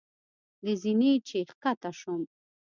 له زینې چې ښکته شوم.